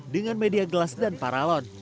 dengan media gelas dan paralon